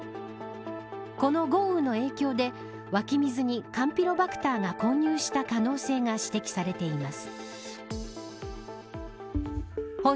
この豪雨の影響で湧き水に、カンピロバクターが混入した可能性が指摘されています。